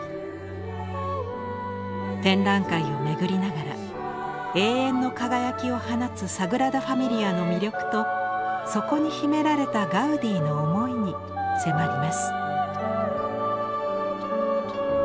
展覧会を巡りながら永遠の輝きを放つサグラダ・ファミリアの魅力とそこに秘められたガウディの思いに迫ります。